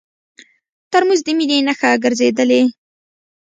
ترموز د مینې نښه ګرځېدلې.